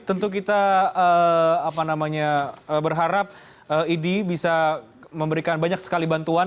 tentu kita berharap idi bisa memberikan banyak sekali bantuan